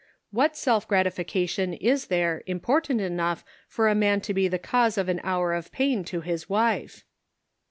What self gratification is there important enough for a man to be the cause of an hour of pain to his wife